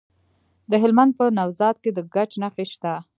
د هلمند په نوزاد کې د ګچ نښې شته.